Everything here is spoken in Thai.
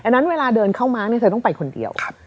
นั้นเวลาเดินเข้ามาร์คเธอต้องไปคนเดียว